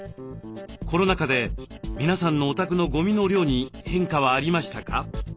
コロナ禍で皆さんのお宅のゴミの量に変化はありましたか？